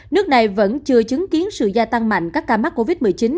nước này vẫn chưa chứng kiến sự gia tăng mạnh các ca mắc covid một mươi chín